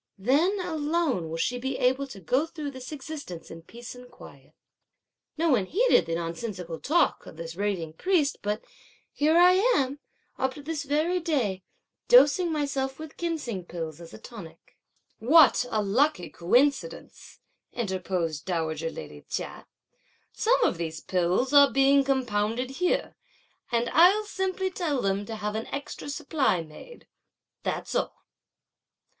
Then alone will she be able to go through this existence in peace and in quiet.' No one heeded the nonsensical talk of this raving priest; but here am I, up to this very day, dosing myself with ginseng pills as a tonic." "What a lucky coincidence!" interposed dowager lady Chia; "some of these pills are being compounded here, and I'll simply tell them to have an extra supply made; that's all."